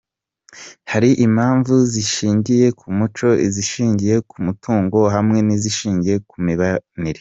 Hari impamvu zishingiye ku muco, izishingiye ku mutungo hamwe n’izishingiye ku mibanire.